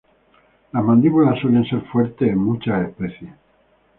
Las mandíbulas suelen ser fuertes en muchas especies.